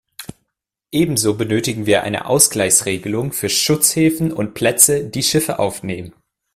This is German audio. Ebenso benötigen wir eine Ausgleichsregelung für Schutzhäfen und -plätze, die Schiffe aufnehmen.